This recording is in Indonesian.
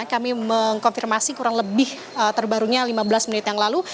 kami mengkonfirmasi kurang lebih terbarunya lima belas menit yang lalu